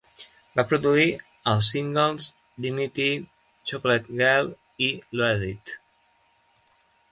Va produir els singles "Dignity", "Chocolate Girl" i "Loaded".